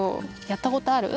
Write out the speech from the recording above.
やったことある？